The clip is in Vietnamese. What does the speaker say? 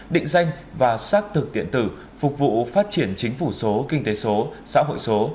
định danh và xác thực điện tử phục vụ phát triển chính phủ số kinh tế số xã hội số